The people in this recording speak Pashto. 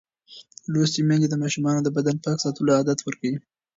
لوستې میندې د ماشومانو د بدن پاک ساتلو عادت ورکوي.